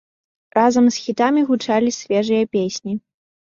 Разам з хітамі гучалі свежыя песні.